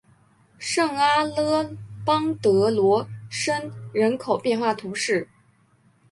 圣阿勒邦德罗什人口变化图示